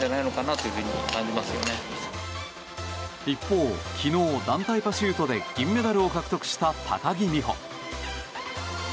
一方、昨日団体パシュートで銀メダルを獲得した高木美帆。